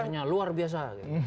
biasanya luar biasa